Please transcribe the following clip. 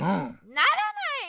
ならないよ！